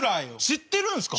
知ってるんすか？